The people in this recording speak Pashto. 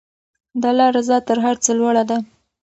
د الله رضا تر هر څه لوړه ده.